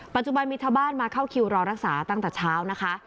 ปัจจุบันมีชาวบ้านมาเข้าคิวรอรักษาตั้งแต่เช้านะคะ